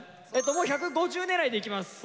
もう１５０狙いでいきます。